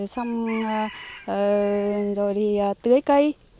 xong rồi thì tưới cây